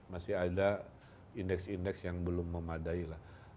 masih ada indeks indeks yang belum memadai lah